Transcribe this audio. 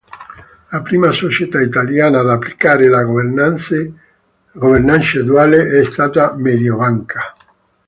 La prima società italiana ad applicare la governance duale è stata Mediobanca.